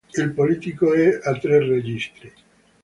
Il polittico è a tre registri.